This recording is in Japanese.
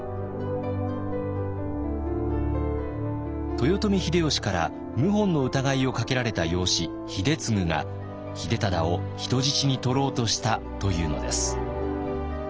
豊臣秀吉から謀反の疑いをかけられた養子秀次が秀忠を人質に取ろうとしたというのです。